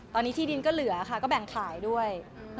ตอนนี้ที่ดินก็เหลือค่ะก็แบ่งขายด้วย